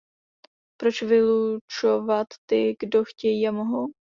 Proč vylučovat ty, kdo chtějí a mohou?